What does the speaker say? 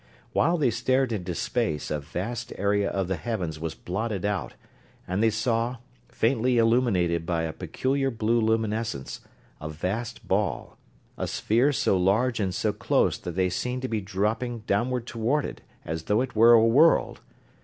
While they stared into space a vast area of the heavens was blotted out and they saw, faintly illuminated by a peculiar blue luminescence, a vast ball a sphere so large and so close that they seemed to be dropping downward toward it as though it were a world!